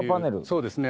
そうですね。